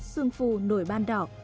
xương phù nổi ban đỏ